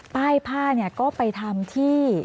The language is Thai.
ป้ายผ้าเนี่ยก็ไปทำที่